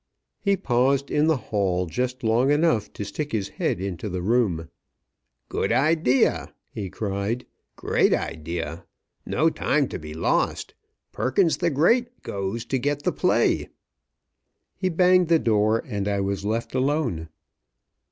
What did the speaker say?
He paused in the hall just long enough to stick his head into the room. "Good idea!" he cried, "great idea! No time to be lost! Perkins the Great goes to get the play!" He banged the door, and I was left alone.